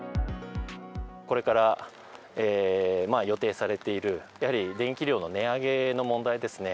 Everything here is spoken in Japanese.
これから予定されている、やはり電気料の値上げの問題ですね。